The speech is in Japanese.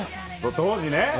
当時ね。